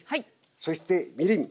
そしてみりん。